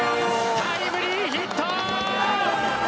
タイムリーヒット！